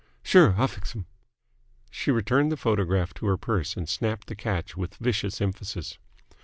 "Sure. I'll fix 'm." She returned the photograph to her purse and snapped the catch with vicious emphasis.